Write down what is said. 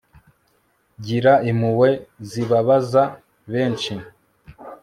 Gira impuhwe zibabaza benshi